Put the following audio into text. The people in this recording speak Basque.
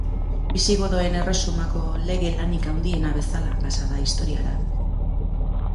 Bisigodoen erresumako lege lanik handiena bezala pasa da historiara.